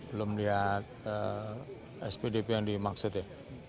belum lihat spdp yang dimaksudnya